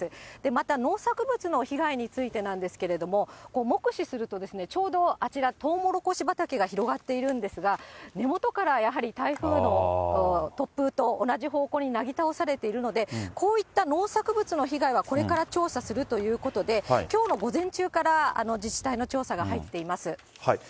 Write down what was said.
また、農作物の被害についてなんですけれども、目視すると、ちょうどあちら、とうもろこし畑が広がっているんですが、根元からやはり台風の突風と同じ方向になぎ倒されているので、こういった農作物の被害はこれから調査するということで、きょうの午前中から自治体の調査が入っています。